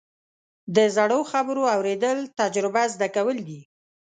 د زړو خبرو اورېدل، تجربه زده کول دي.